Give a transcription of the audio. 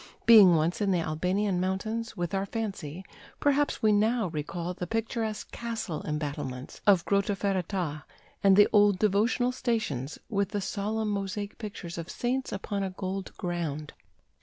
Being once in the Albanian mountains, with our fancy, perhaps we now recall the picturesque castle embattlements of Grotta Ferrata, and the old devotional stations with the solemn mosaic pictures of saints upon a gold ground.